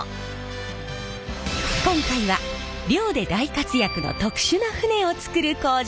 今回は漁で大活躍の特殊な船を造る工場。